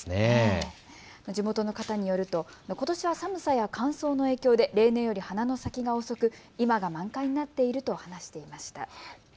地元の方によるとことしは寒さや乾燥の影響で例年より花の咲きが遅く今が満開になっていると話していました。